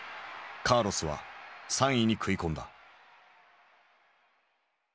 カーロスは３位に食い込んだ。